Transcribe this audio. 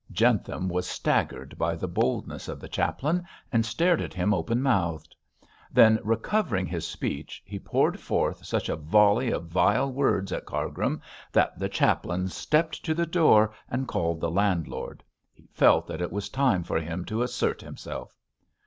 Jentham was staggered by the boldness of the chaplain, and stared at him open mouthed; then recovering his speech, he poured forth such a volley of vile words at Cargrim that the chaplain stepped to the door and called the landlord. He felt that it was time for him to assert himself.